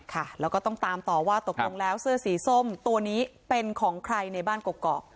ค่ะแล้วก็ต้องตามต่อว่าตกลงแล้วเสื้อสีส้มตัวนี้เป็นของใครในบ้านเกาะ